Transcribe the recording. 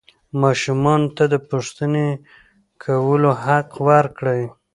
ماشومانو ته د پوښتنې کولو حق ورکړئ.